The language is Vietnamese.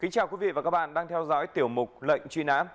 xin chào quý vị và các bạn đang theo dõi tiểu mục lệnh truy nã